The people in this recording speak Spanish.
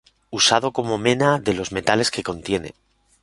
Usado como mena de los metales que contiene.